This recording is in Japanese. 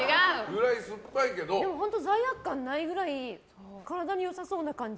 でも、罪悪感ないくらい体に良さそうな感じ。